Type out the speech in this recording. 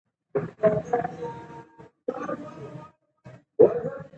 کثافات په سړک مه غورځوئ.